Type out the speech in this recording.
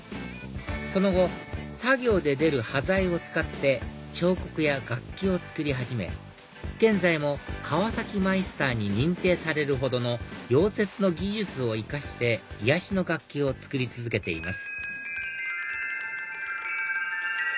その後作業で出る端材を使って彫刻や楽器を作り始め現在もかわさきマイスターに認定されるほどの溶接の技術を生かして癒やしの楽器を作り続けています